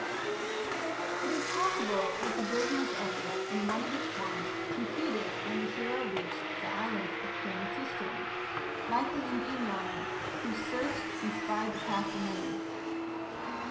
It is possible that the Gilgamesh epic in one of its forms concluded when the hero reached the island of Pir napishtim, like the Indian Yama who "searched and spied the path for many".